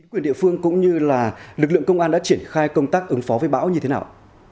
quyền địa phương cũng như lực lượng công an đã triển khai công tác ứng phó với bão như thế nào